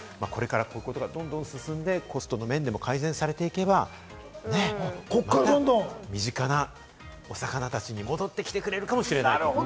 今は少々割高ではあるんですけれども、これからこういうことがどんどん進んで、コストの面でも改善されていけば身近なお魚たちにも戻ってきてくれるかもしれないという。